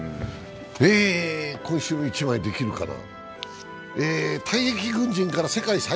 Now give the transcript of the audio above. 「今週の一枚」できるかな。